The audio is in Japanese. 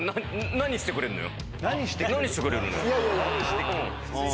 何してくれるのよ。